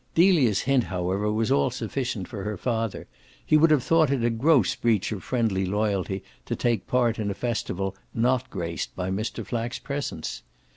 Delia's hint however was all sufficient for her father; he would have thought it a gross breach of friendly loyalty to take part in a festival not graced by Mr. Flack's presence.